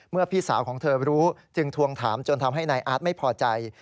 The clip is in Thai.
พี่สาวของเธอรู้จึงทวงถามจนทำให้นายอาร์ตไม่พอใจ